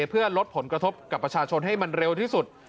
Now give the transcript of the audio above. เพื่อลดผลกระทบกับประชาชนให้มันเร็วที่สุด